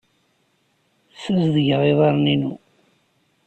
Ssazedgeɣ iḍarren-inu.